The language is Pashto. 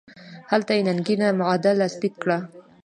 هلته یې ننګینه معاهده لاسلیک کړه.